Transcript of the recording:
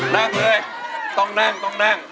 นั่งเลยต้องนั่งต้องนั่ง